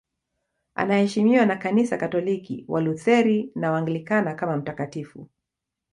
Anaheshimiwa na Kanisa Katoliki, Walutheri na Waanglikana kama mtakatifu.